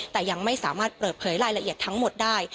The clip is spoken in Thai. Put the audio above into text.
แต่ยังไม่สามารถเปิดเผยรายละเอียดทั้งหมดได้